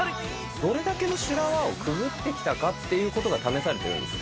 どれだけの修羅場をくぐってきたかということが、試されてるんですよ。